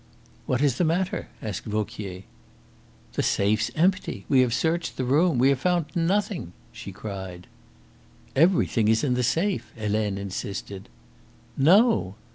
"What is the matter?" asked Vauquier. "The safe's empty. We have searched the room. We have found nothing," she cried. "Everything is in the safe," Helene insisted. "No."